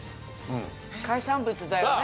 海産物だよね？